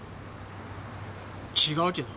違うけど。